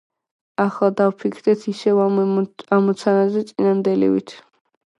ახლა დავფიქრდეთ ისევ ამ ამოცანაზე წინანდელივით.